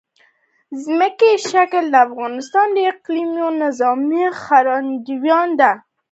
ځمکنی شکل د افغانستان د اقلیمي نظام ښکارندوی ده.